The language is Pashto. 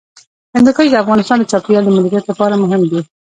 هندوکش د افغانستان د چاپیریال د مدیریت لپاره مهم دي.